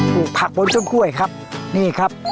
ปลูกผักบนต้นกล้วยครับนี่ครับ